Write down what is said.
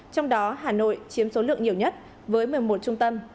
trong đó hà nội chiếm số lượng nhiều nhất với một mươi một trung tâm